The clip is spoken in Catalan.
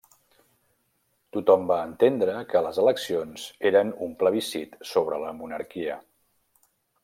Tothom va entendre que les eleccions eren un plebiscit sobre la Monarquia.